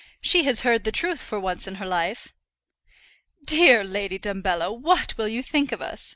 She has heard the truth for once in her life." "Dear Lady Dumbello, what will you think of us?"